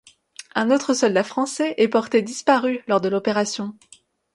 Un autre soldat français est porté disparu lors de l'opération.